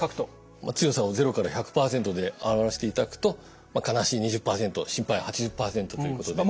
強さを０１００％で表していただくと「悲しい２０％心配８０％」ということで。